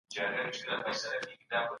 قصاص د قانون د حاکمیت تر ټولو ښه بېلګه ده.